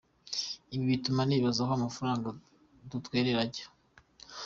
Ibi bituma nibaza aho amafaranga dutwerera ajya.